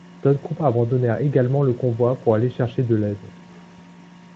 D'autres groupes abandonnèrent également le convoi pour aller chercher de l'aide.